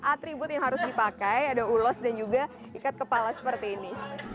atribut yang harus dipakai ada ulos dan juga ikat kepala seperti ini